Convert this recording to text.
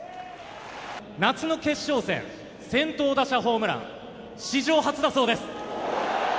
夏の決勝戦先頭打者ホームラン史上初だそうです。